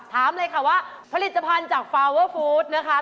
ถามเลยค่ะว่าผลิตภัณฑ์จากฟาวเวอร์ฟู้ดนะคะ